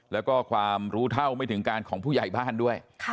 แล้วก็ความรู้เท่าไม่ถึงการของผู้ใหญ่บ้านด้วย